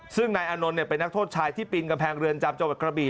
ซึ่งนายอานนท์เป็นนักโทษชายที่ปีนกำแพงเรือนจำจังหวัดกระบี่